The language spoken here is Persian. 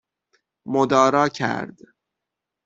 مدارا کرد